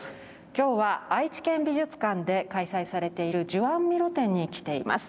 今日は愛知県美術館で開催されているジュアン・ミロ展に来ています。